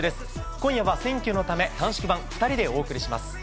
今夜は選挙のため短縮版、２人でお送りします。